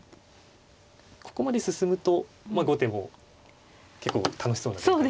ここまで進むと後手も結構楽しそうな展開だと。